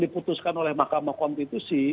diputuskan oleh mahkamah konstitusi